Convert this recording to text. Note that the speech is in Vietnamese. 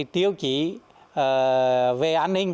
tiêu chí về an ninh